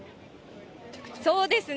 そうですね。